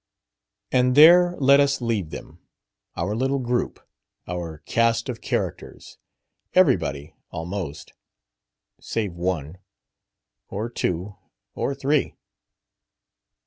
And there let us leave them our little group, our cast of characters: "everybody almost," save one. Or two. Or three.